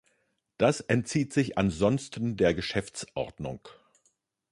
Das entzieht sich ansonsten der Geschäftsordnung.